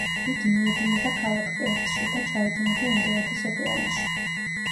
იგი მიედინება ქალაქ პერთში და ჩაედინება ინდოეთის ოკეანეში.